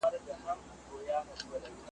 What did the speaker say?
یو انار او سل بیمار `